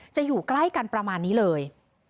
อยู่ใกล้กันประมาณนี้เลย